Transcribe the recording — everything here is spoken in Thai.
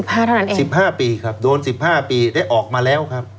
๑๕เท่านั้นเอง๑๕ปีครับโดน๑๕ปีได้ออกมาแล้วครับ